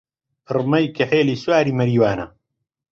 پڕمەی کەحێلی سواری مەریوانە